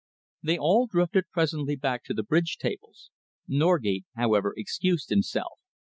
They all drifted presently back to the bridge tables. Norgate, however, excused himself.